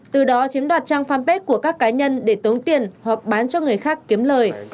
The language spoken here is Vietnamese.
từ đó chiếm đoạt trang fanpage của các cá nhân để tống tiền hoặc bán cho người khác kiếm lời